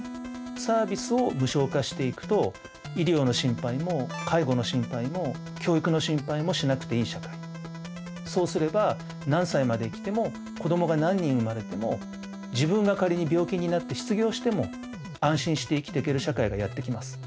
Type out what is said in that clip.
サービスを無償化していくと医療の心配も介護の心配も教育の心配もしなくていい社会そうすれば何歳まで生きても子どもが何人生まれても自分が仮に病気になって失業しても安心して生きていける社会がやって来ます。